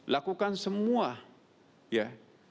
lakukan semua ya